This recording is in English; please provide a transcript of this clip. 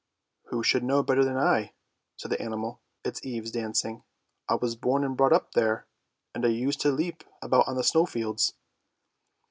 " Who should know better than I," said the animal, its eves dancing. " I was born and brought up there, and I used to leap about on the snow fields."